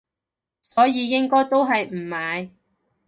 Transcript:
所以應該都係唔買